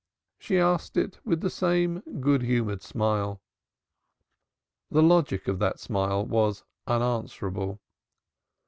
She asked it with the same good humored smile. The logic of that smile was unanswerable.